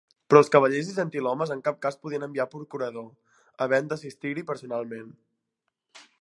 Però els cavallers i gentilhomes en cap cas poden enviar procurador, havent d'assistir-hi personalment.